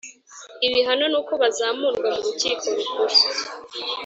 ibihano n uko bazamurwa mu rukiko rukuru